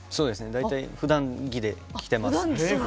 大体、ふだん着で着てます。